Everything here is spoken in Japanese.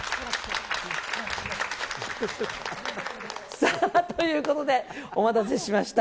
さあ、ということで、お待たせしました。